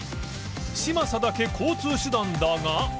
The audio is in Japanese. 嶋佐だけ交通手段だが